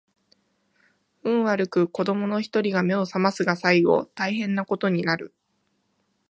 運悪く子供の一人が眼を醒ますが最後大変な事になる